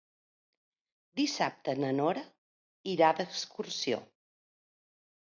Dissabte na Nora irà d'excursió.